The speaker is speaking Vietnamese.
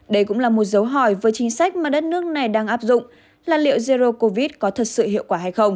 đây cũng là một dấu hỏi với chính sách mà đất nước này đang áp dụng là liệu zero covid có thật sự hiệu quả hay không